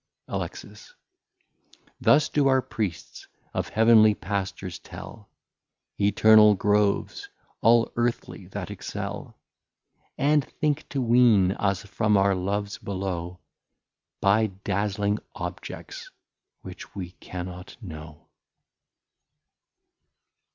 Alex. Thus do our Priests of Heavenly Pastures tell, Eternal Groves, all Earthly, that excel: And think to wean us from our Loves below, By dazling Objects which we cannot know.